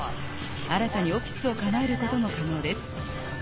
新たにオフィスを構えることも可能です。